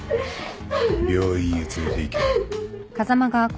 病院へ連れていけ。